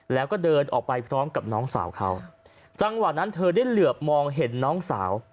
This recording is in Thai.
แล้วก็เดินออกไปพร้อมกับน้องสาวเขาจังหวะนั้นเธอได้เหลือบมองเห็นน้องสาว